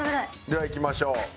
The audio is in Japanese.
ではいきましょう。